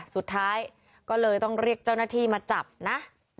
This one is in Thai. สุดท้ายก็เลยต้องเรียกเจ้าหน้าที่มาจับนะ